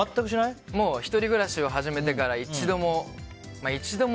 １人暮らしを始めてから一度も。